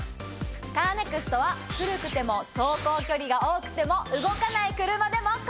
カーネクストは古くても走行距離が多くても動かない車でも。